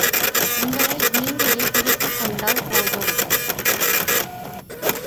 உங்களை நீங்களே திருத்திக் கொண்டால் போதும்.